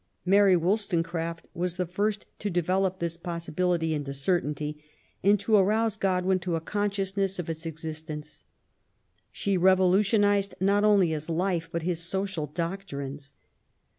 Mary Wollstonecraft was the first to develop this possibility into certainty, and to arouse Godwin to a consciousness of its existence. She revolutionized not only his life, but his social doctrines.